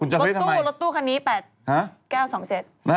เฮ้ยทำไมเนี่ยรถตู้คันนี้๘๙๒๗